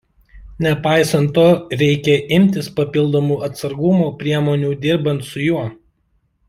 Nepaisant to reikia imtis papildomų atsargumo priemonių dirbant su juo.